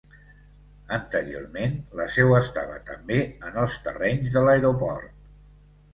Anteriorment la seu estava també en els terrenys de l'aeroport.